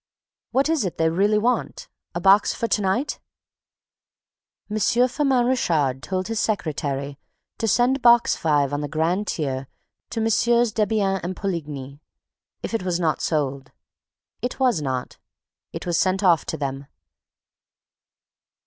"What is it they really want? A box for to night?" M. Firmin Richard told his secretary to send Box Five on the grand tier to Mm. Debienne and Poligny, if it was not sold. It was not. It was sent off to them.